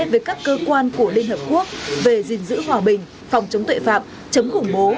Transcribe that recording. với các cơ quan của liên hợp quốc về gìn giữ hòa bình phòng chống tuệ phạm chấm khủng bố